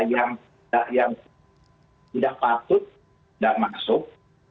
yang dinamalkan supaya yang tidak patut tidak masuk